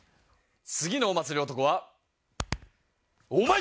次のお祭り男はお前じゃけん。